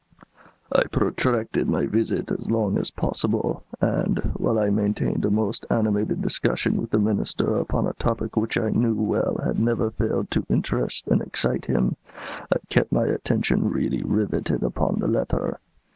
"I protracted my visit as long as possible, and, while I maintained a most animated discussion with the Minister upon a topic which I knew well had never failed to interest and excite him, I kept my attention really riveted upon the letter.